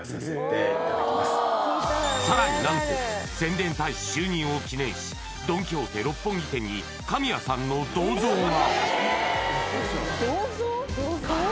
さらに何と宣伝大使就任を記念しドン・キホーテ六本木店に神谷さんの銅像が！